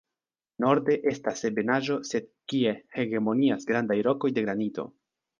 Norde estas ebenaĵo sed kie hegemonias grandaj rokoj de granito.